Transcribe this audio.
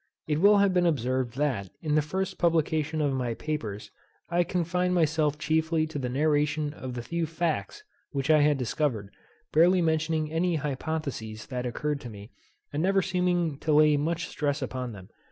_ It will have been observed that, in the first publication of my papers, I confined myself chiefly to the narration of the new facts which I had discovered, barely mentioning any hypotheses that occurred to me, and never seeming to lay much stress upon them.